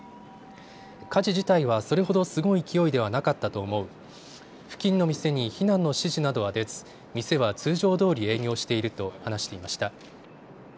火事自体はそれほどすごい勢いではなかったと思う、付近の店に避難の指針などは出ず、店は通常どおり営業していると話していました。